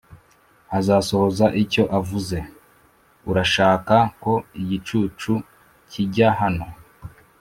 azasohoza icyo avuze Urashaka ko igicucu kijya hano